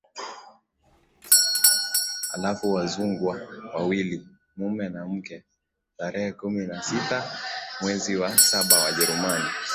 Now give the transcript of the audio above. halafu Wazungwa wawili mume na mke Tarehe kumi na sita mwezi wa saba Wajerumani